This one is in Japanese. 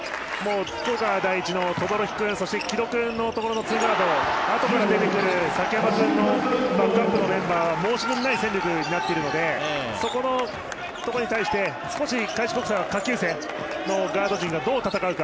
福岡第一の轟君、そして城戸君のところのツーガードあとから出てくる崎濱君のバックアップのメンバーは申し分ない戦力になっているのでそこのところに対して少し開志国際は下級生のガード陣がどう戦うか。